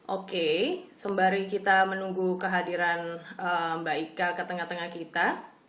oke sembari kita menunggu kehadiran mbak ika ke tengah tengah kita